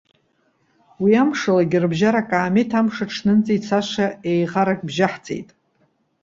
Уи амшалагьы, рыбжьара акаамеҭ амш аҽнынӡа ицаша еиӷарак бжьаҳҵеит.